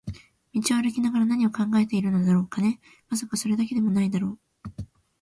道を歩きながら何を考えているのだろう、金？まさか、それだけでも無いだろう